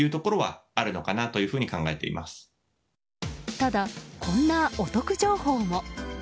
ただ、こんなお得情報も。